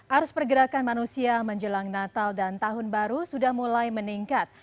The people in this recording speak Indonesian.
arus pergerakan manusia menjelang natal dan tahun baru sudah mulai meningkat